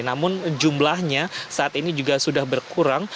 namun jumlahnya saat ini juga sudah berkurang